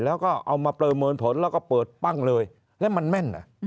แล้วก็เอามาประเมินผลแล้วก็เปิดปั้งเลยแล้วมันแม่น